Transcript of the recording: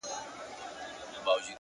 لوړ همت ستړې شېبې زغمي.!